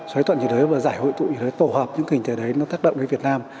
xoáy tuận nhiệt đới và giải hội tụi nhiệt đới tổ hợp những hình thế đấy nó tác động đến việt nam